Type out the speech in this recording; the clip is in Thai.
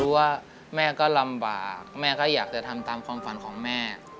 ว่าแม่ก็ลำบากแม่ก็อยากจะทำตามความฝันของแม่